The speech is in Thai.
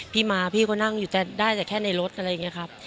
พี่มาพี่ก็นั่งอยู่จะได้แต่แค่ในรถอะไรอย่างนี้ครับ